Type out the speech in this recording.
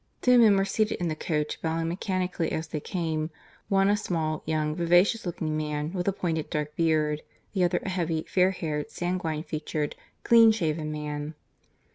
Two men were seated in the coach, bowing mechanically as they came one a small, young, vivacious looking man with a pointed dark beard; the other a heavy, fair haired, sanguine featured, clean shaven man.